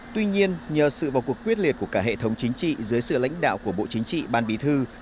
tuy nhiên nhờ sự bầu cuộc quyết liệt của cả hệ thống chính trị dưới sự lãnh đạo của bộ chính trị ban bí thư